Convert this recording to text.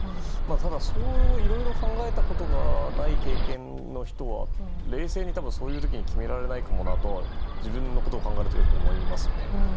ただ、いろいろ考えたことがない経験の人は冷静にそういう時に決められないかなと自分のことを考えるとよく思いますね。